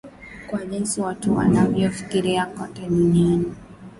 kwa jinsi watu wanavyofikiria kote duniani